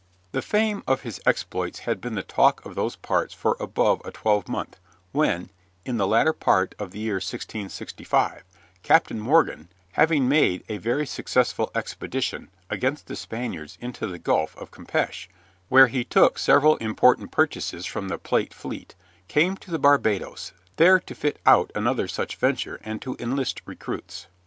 The fame of his exploits had been the talk of those parts for above a twelvemonth, when, in the latter part of the year 1665, Captain Morgan, having made a very successful expedition against the Spaniards into the Gulf of Campeche where he took several important purchases from the plate fleet came to the Barbados, there to fit out another such venture, and to enlist recruits.